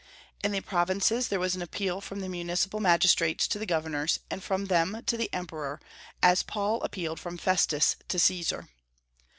In the provinces there was an appeal from the municipal magistrates to the governors, and from them to the Emperor, as Paul appealed from Festus to Caesar.